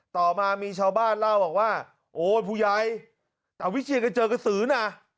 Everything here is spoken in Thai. ต่อมามีชาวบ้านเล่าบอกว่าโอ้ยผู้ใหญ่ตาวิเชียนก็เจอกระสือนะ